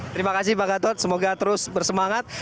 terima kasih pak gatot semoga terus bersemangat